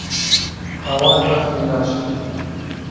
هاوار بەفری ناچێتۆ